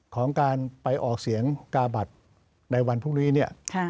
ของการไปออกเสียงกาบัตรในวันพรุ่งนี้เนี่ย